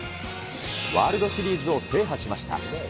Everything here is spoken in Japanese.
ワールドシリーズを制覇しました。